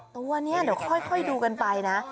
ตัวนี้เดี๋ยวค่อยดูกันไปนะ